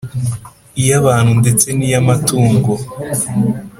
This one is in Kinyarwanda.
, iy’abantu ndetse n’iy’amatungo